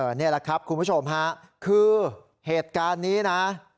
นี่แหละครับคุณผู้ชมฮะคือเหตุการณ์นี้นะ